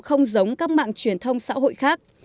không giống các mạng truyền thông xã hội khác